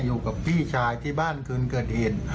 อยู่กับพี่ชายที่บ้านคืนเกิดเหตุ